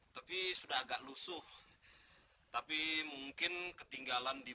itez this diagram lusuh tapi mungkin ketinggalan di